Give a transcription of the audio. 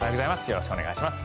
よろしくお願いします。